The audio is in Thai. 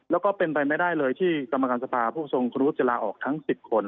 แล้วก็เป็นไปไม่ได้เลยที่กรรมการสภาผู้ทรงครูจะลาออกทั้ง๑๐คน